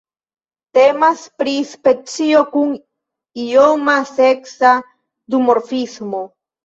Temas pri specio kun ioma seksa duformismo.